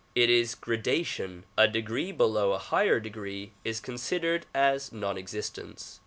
It is gradation; a degree below a higher degree is considered as non existence.